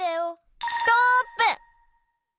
ストップ！